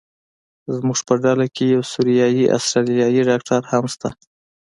زموږ په ډله کې یو سوریایي استرالیایي ډاکټر هم شته.